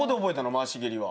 回し蹴りは。